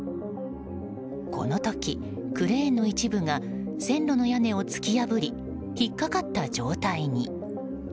この時、クレーンの一部が線路の屋根を突き破り引っかかった状態に。